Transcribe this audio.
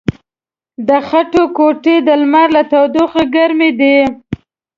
د خټو کوټې د لمر له تودوخې ګرمې دي.